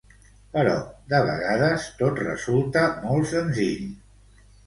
Però de vegades, tot resulta molt senzill.